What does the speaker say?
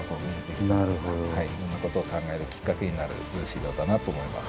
いろんなことを考えるきっかけになる資料だなと思います。